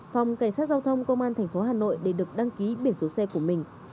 phòng cảnh sát giao thông công an tp hà nội để được đăng ký biển số xe của mình